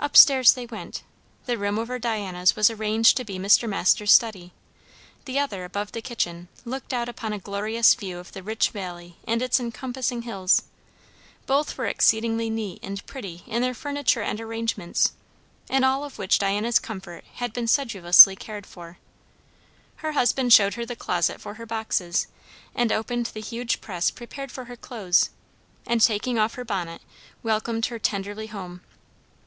Up stairs they went. The room over Diana's was arranged to be Mr. Masters' study; the other, above the kitchen, looked out upon a glorious view of the rich valley and its encompassing hills; both were exceedingly neat and pretty in their furniture and arrangements, in all of which Diana's comfort had been sedulously cared for. Her husband showed her the closet for her boxes, and opened the huge press prepared for her clothes; and taking off her bonnet, welcomed her tenderly home.